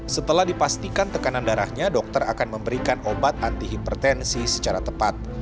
setelah dipastikan tekanan darahnya dokter akan memberikan obat anti hipertensi secara tepat